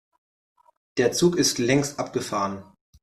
Der Zug ist längst abgefahren.